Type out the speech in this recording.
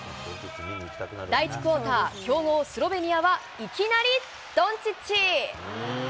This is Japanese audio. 第１クオーター、強豪スロベニアはいきなりドンチッチ。